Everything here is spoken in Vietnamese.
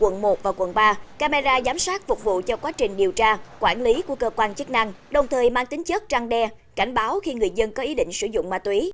ngoài ra giám sát phục vụ cho quá trình điều tra quản lý của cơ quan chức năng đồng thời mang tính chất trăng đe cảnh báo khi người dân có ý định sử dụng ma túy